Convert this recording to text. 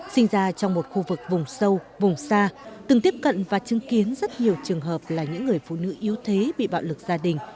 sinh ra trong một khu vực vùng sâu vùng xa từng tiếp cận và chứng kiến rất nhiều trường hợp là những người phụ nữ yếu thế bị bạo lực gia đình